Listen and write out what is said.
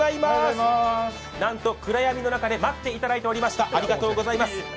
なんと暗闇の中で待っていただいておりました。